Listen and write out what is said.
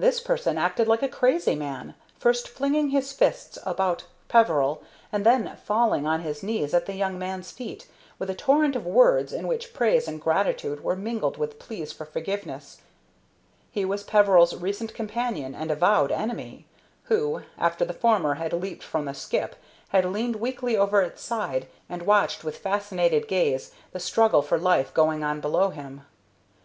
[Illustration: PEVERIL LEAPED DOWN AMONG THE SPUTTERING FUSES] This person acted like a crazy man, first flinging his arms about Peveril, and then falling on his knees at the young man's feet, with a torrent of words in which praise and gratitude were mingled with pleas for forgiveness. He was Peveril's recent companion and avowed enemy, who, after the former had leaped from the skip, had leaned weakly over its side and watched with fascinated gaze the struggle for life going on below him.